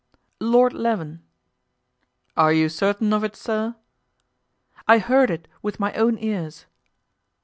"Lord Leven." "Are you certain of it, sir?" "I heard it with my own ears."